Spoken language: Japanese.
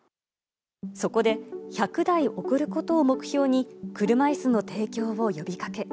そこで、１００台送ることを目標に、車いすの提供を呼びかけ。